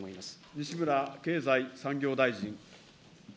西村経済産業大臣。